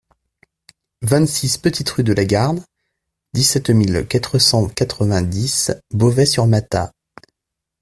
vingt-six petite Rue de la Garde, dix-sept mille quatre cent quatre-vingt-dix Beauvais-sur-Matha